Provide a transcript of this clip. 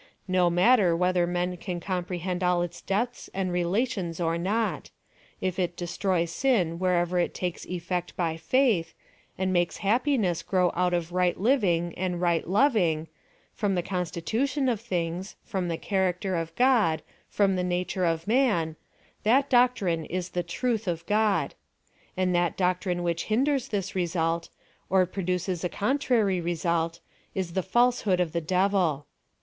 No matter whether men caii comprehend all its depths and relations or not ; if it destroys sin wherever it takes effect by faith, and makes happiness grow out of right living and riglit loving^ from the consti tution of thinofs — from the cfiaracter of God — from the nature of man — tliat doctrine is tlie tritii of God. And that doctrine which hinders (his resuit, or produces a contrary result, is the falsehood of the devil.